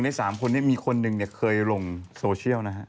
ใน๓คนนี้มีคนหนึ่งเคยลงโซเชียลนะฮะ